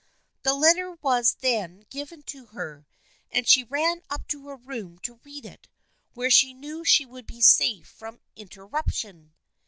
The letter was then given to her, and she ran up to her room to read it where she knew she would be safe from inter ruption.